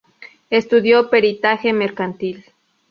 Estudió Peritaje Mercantil.